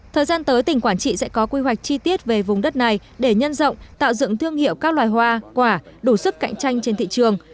thời gian tới tỉnh quảng trị sẽ có quy hoạch chi tiết về vùng đất này để nhân rộng tạo dựng thương hiệu các loài hoa quả đủ sức cạnh tranh trên thị trường